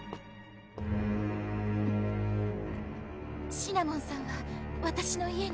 シナモンさんはわたしの家に